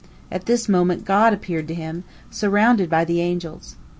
" At this moment God appeared to him, surrounded by the angels.